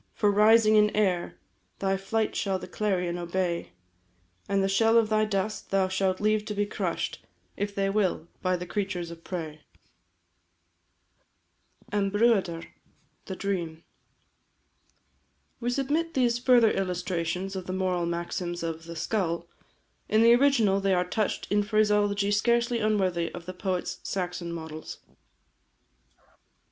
For rising in air Thy flight shall the clarion obey; And the shell of thy dust thou shalt leave to be crush'd, If they will, by the creatures of prey. Maiden or virgin orig. AM BRUADAR. THE DREAM. We submit these further illustrations of the moral maxims of "The Skull." In the original they are touched in phraseology scarcely unworthy of the poet's Saxon models.